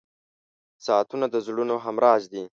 • ساعتونه د زړونو همراز دي.